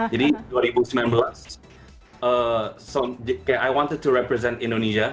jadi dua ribu sembilan belas kayak i wanted to represent indonesia